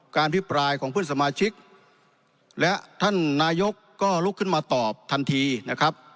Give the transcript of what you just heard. พิปรายของเพื่อนสมาชิกและท่านนายกก็ลุกขึ้นมาตอบทันทีนะครับ